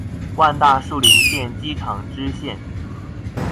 萬大樹林線機廠支線